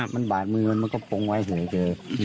มันบาดมือมันก็ปรงไว้เผื่อเผื่อ